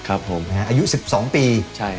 อายุ๑๒ปี